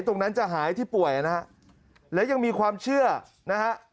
ตรงนั้นจะหายที่ป่วยนะฮะและยังมีความเชื่อนะฮะ